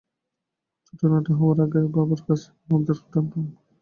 ছোটনটা হওয়ার আগে বাবার কাছে কোনো আবদার করে টুনটুন নিজেই ভুলে যেত।